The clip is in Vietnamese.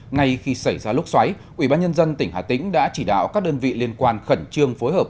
ngay khi xảy ra lốc xoáy ubnd tỉnh hà tĩnh đã chỉ đạo các đơn vị liên quan khẩn trương phối hợp